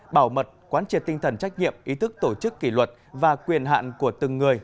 bảo mật quán triệt tinh thần trách nhiệm ý thức tổ chức kỷ luật và quyền hạn của từng người